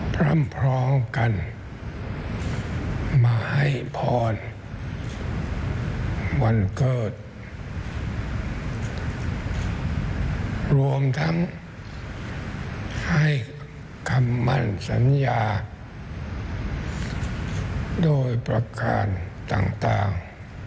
พร้อมกันมาให้พรวันเกิดรวมทั้งให้คำมั่นสัญญาโดยประการต่าง